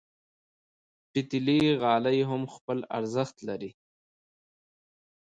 پتېلي غالۍ هم خپل ارزښت لري.